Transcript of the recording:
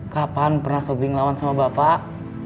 kapan pernah sobri ngelawan sama bapak